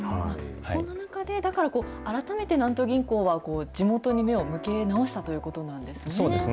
そんな中で、だから、改めて南都銀行は地元に目を向け直したそうですね。